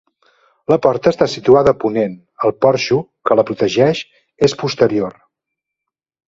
La porta està situada a ponent; el porxo que la protegeix és posterior.